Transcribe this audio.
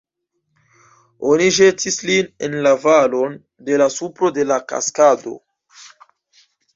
Oni ĵetis lin en la valon, de la supro de la kaskado.